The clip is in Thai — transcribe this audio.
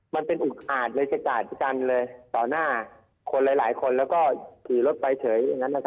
๒มันเป็นอุกอาจต่อหน้าคนหลายคนแล้วก็ขายรถไปเฉย